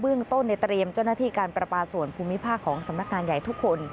เรื่องต้นในเตรียมเจ้าหน้าที่การประปาส่วนภูมิภาคของสำนักงานใหญ่ทุกคน